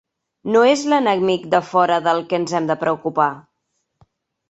No és l'enemic de fora del que ens hem de preocupar.